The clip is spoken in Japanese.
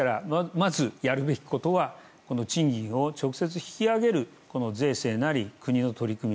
まず、やるべきことは賃金を直接引き上げる税制なり、国の取り組み。